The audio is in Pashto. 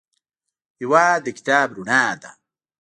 هېواد د کتاب رڼا ده.